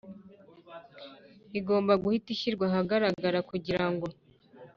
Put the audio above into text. igomba guhita ishyirwa ahagaragara kugira ngo